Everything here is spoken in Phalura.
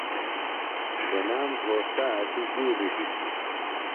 تنام گھوݜٹہ اٹیۡ گُولیۡ دِتیۡ۔